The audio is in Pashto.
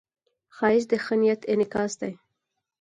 ښایست د ښه نیت انعکاس دی